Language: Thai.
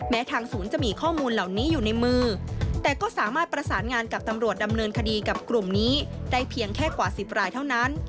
ทางศูนย์จะมีข้อมูลเหล่านี้อยู่ในมือแต่ก็สามารถประสานงานกับตำรวจดำเนินคดีกับกลุ่มนี้ได้เพียงแค่กว่า๑๐รายเท่านั้น